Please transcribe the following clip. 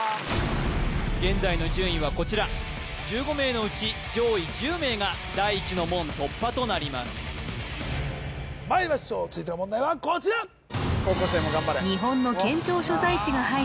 現在の順位はこちら１５名のうち上位１０名が第一の門突破となりますまいりましょう続いての問題はこちら日本の県庁所在地が入る